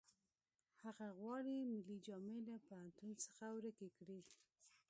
هغه غواړي ملي جامې له پوهنتون څخه ورکې کړي